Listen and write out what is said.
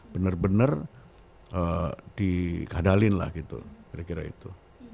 bener bener dikadalin lah gitu kira kira itu